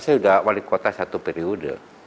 saya sudah wali kota satu periode